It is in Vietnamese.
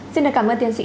xin cảm ơn tiến sĩ ít